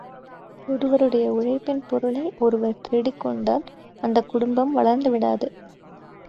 ஒருவருடைய உழைப்பின் பொருளை, ஒருவர் திருடிக் கொண்டால் அந்தக் குடும்பம் வளர்ந்து விடாது.